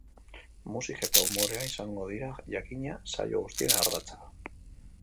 Musika eta umorea izango dira, jakina, saio guztien ardatza.